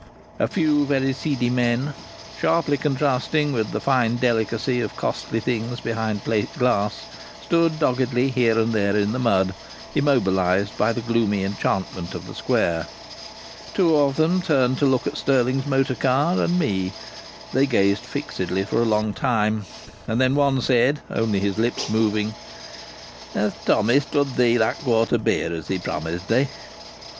A few very seedy men (sharply contrasting with the fine delicacy of costly things behind plate glass) stood doggedly here and there in the mud, immobilized by the gloomy enchantment of the Square. Two of them turned to look at Stirling's motor car and me. They gazed fixedly for a long time, and then one said, only his lips moving: "Has Tommy stood thee that there quart o' beer as he promised thee?"